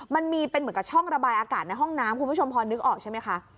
มันมีเป็นเหมือนกับช่องระบายอากาศในห้องน้ำคุณผู้ชมพอนึกออกใช่ไหมคะ